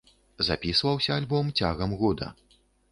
Запісваўся альбом цягам года.